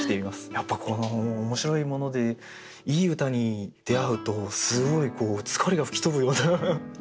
やっぱり面白いものでいい歌に出会うとすごい疲れが吹き飛ぶような。